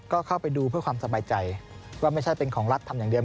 ก็เข้าไปดูเพื่อความสบายใจว่าไม่ใช่เป็นของรัฐทำอย่างเดียว